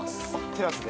テラスで？